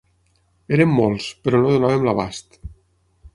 Érem molts, però no donàvem l'abast.